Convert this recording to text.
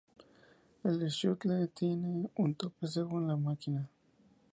El shuttle tiene un tope según la máquina.